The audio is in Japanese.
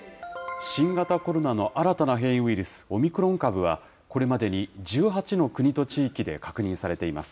新型コロナの新たな変異ウイルス、オミクロン株は、これまでに１８の国と地域で確認されています。